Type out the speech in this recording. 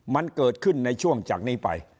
มันเกิดขึ้นในช่วงจากนี้ไป